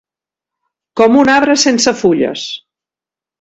Com un arbre sense fulles.